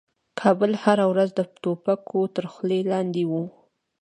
کابل هره ورځ د توپکو تر خولې لاندې و.